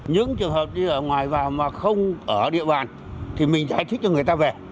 những trường hợp đi ở ngoài vào mà không ở địa bàn thì mình sẽ thích cho người ta về